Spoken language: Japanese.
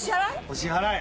お支払い。